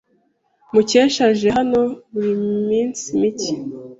Mukesha aje hano buri minsi mike.